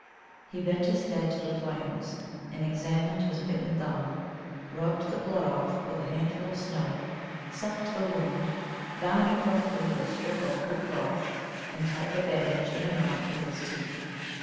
He bent his head to the flames, and examined his bitten thumb, rubbed the blood off with a handful of snow, sucked the wound, bound it roughly with a strip of blue cloth, and tied the bandage in a knot with his teeth.